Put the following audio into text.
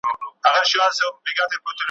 ده څو ځله تلاښ وکړ چي سپی ورک سي ,